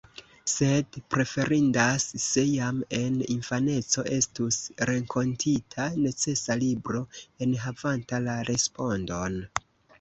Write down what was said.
Sed preferindas, se jam en infaneco estus renkontita necesa libro, enhavanta la respondon.